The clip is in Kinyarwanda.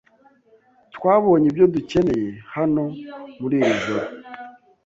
Twabonye ibyo dukeneye hano muri iri joro